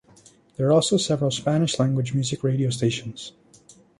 There are also several Spanish-language music radio stations.